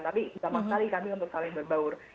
tapi gampang sekali kami untuk saling berbaur